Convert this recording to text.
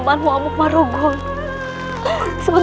yang tidak kematian